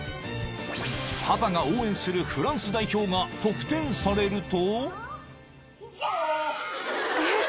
［パパが応援するフランス代表が得点されると］